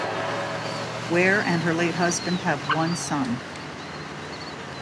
Wair and her late husband have one son.